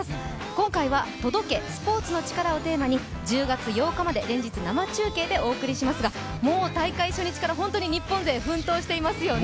今回は「届け、スポーツのチカラ」をテーマに１０月８日まで連日生中継でお送りしますがもう大会初日から本当に日本勢、奮闘していますよね。